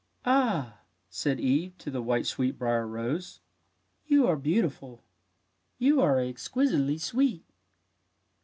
'' Ah/' said Eve to the white sweetbrier rose, " you are beautiful. You are exquisitely sweet!